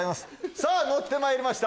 さぁノッてまいりました！